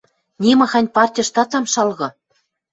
– Нимахань партьыштат ам шалгы...